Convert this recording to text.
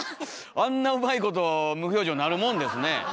あんなうまいこと無表情になるもんですね。